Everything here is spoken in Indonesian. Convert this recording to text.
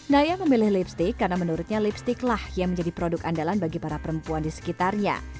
naya memilih lipstick karena menurutnya lipstick lah yang menjadi produk andalan bagi para perempuan di sekitarnya